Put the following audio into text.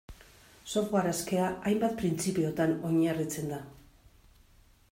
Software askea, hainbat printzipiotan oinarritzen da.